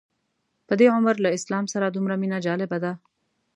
په دې عمر له اسلام سره دومره مینه جالبه ده.